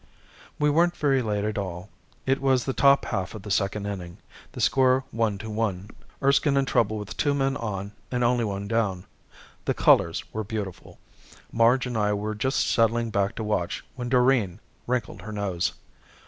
We weren't very late after all. It was the top half of the second inning, the score one to one, Erskine in trouble with two men on and only one down. The colors were beautiful. Marge and I were just settling back to watch when Doreen wrinkled her nose.